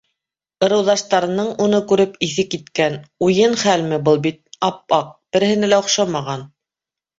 Ырыуҙаштарының уны күреп иҫе киткән: уйын хәлме, был бит ап-аҡ, береһенә лә оҡшамаған.